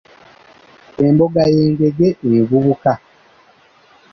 Embogga y'engege envubuka.